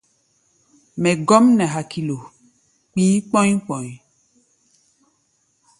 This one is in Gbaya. Mɛ gɔ́m nɛ hakilo, kpi̧i̧ kpɔ̧́í̧ kpɔ̧í̧.